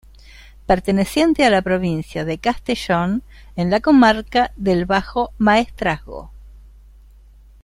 Perteneciente a la provincia de Castellón en la comarca del Bajo Maestrazgo.